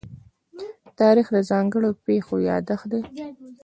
تاریخ د ځانګړو پېښو يادښت دی.